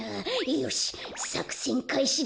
よしさくせんかいしだ！